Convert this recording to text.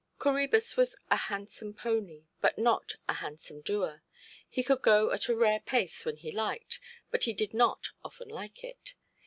Coræbus was a handsome pony, but not a handsome doer. He could go at a rare pace when he liked, but he did not often like it.